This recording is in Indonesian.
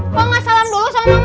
kok gak salam dulu sama mama